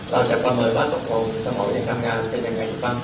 เราจะประเมินว่าตกลงสมองจะทำงานเป็นยังไงหรือเปล่า